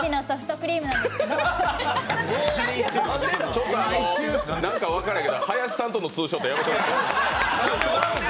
ちょっと、なにか分からないけど林さんとのツーショットやめてくれ。